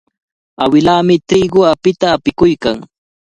Awilaami triqu apita apikuykan.